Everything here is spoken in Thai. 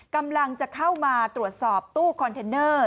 กำลังจะเข้ามาตรวจสอบตู้คอนเทนเนอร์